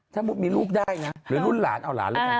ถ้าสมมุติมีลูกได้หรือรุ่นหลานเอาหลานละแค่